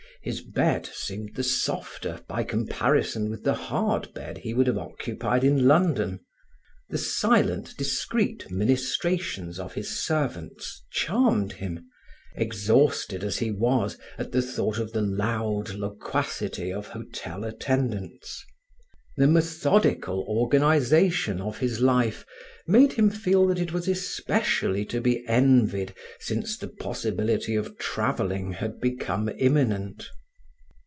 His bed seemed the softer by comparison with the hard bed he would have occupied in London. The silent, discreet ministrations of his servants charmed him, exhausted as he was at the thought of the loud loquacity of hotel attendants. The methodical organization of his life made him feel that it was especially to be envied since the possibility of traveling had become imminent.